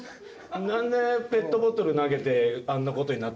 なんでペットボトル投げてあんな事になってる。